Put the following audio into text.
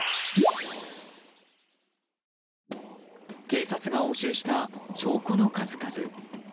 警察が押収した証拠の数々。